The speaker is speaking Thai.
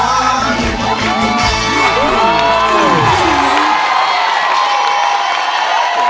ยังไม่มีให้รักยังไม่มี